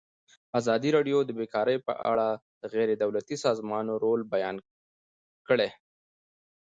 ازادي راډیو د بیکاري په اړه د غیر دولتي سازمانونو رول بیان کړی.